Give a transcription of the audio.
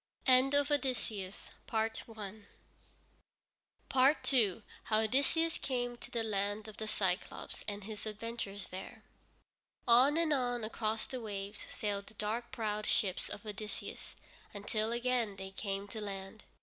II HOW ODYSSEUS CAME TO THE LAND OF THE CYCLÔPES, AND HIS ADVENTURES THERE On and on across the waves sailed the dark prowed ships of Odysseus, until again they came to land.